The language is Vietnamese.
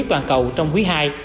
toàn cầu trong quý hai